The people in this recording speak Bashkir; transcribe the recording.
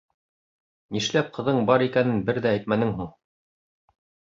— Нишләп ҡыҙың бар икәнен бер ҙә әйтмәнең һуң?